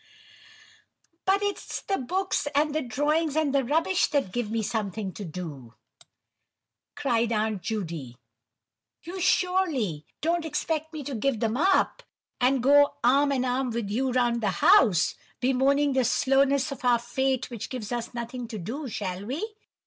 "But it's the books, and the drawings, and the rubbish that give me something to do," cried Aunt Judy. "You surely don't expect me to give them up, and go arm and arm with you round the house, bemoaning the slowness of our fate which gives us nothing to do. Or shall we?